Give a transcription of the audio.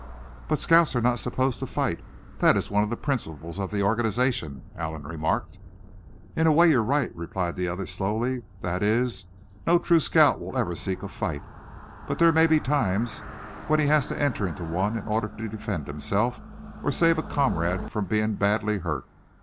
"But scouts are not supposed to fight; that is one of the principles of the organization," Allan remarked. "In a way you're right," replied the other, slowly; "that is, no true scout will ever seek a fight; but there may be times when he has to enter into one in order to defend himself, or save a comrade from being badly hurt.